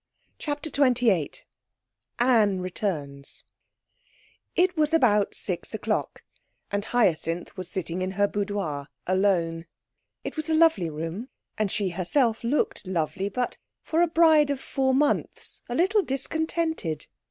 CHAPTER XXVIII Anne Returns It was about six o'clock, and Hyacinth was sitting in her boudoir alone. It was a lovely room and she herself looked lovely, but, for a bride of four months, a little discontented.